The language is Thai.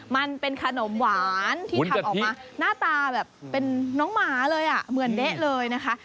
มันเป็นขนมหวานที่ทำออกมาหน้าตาแบบเป็นน้องหมาเลยอ่ะเหมือนเด๊ะเลยนะคะ